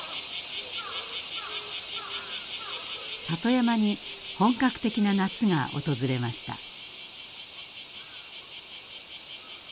里山に本格的な夏が訪れました。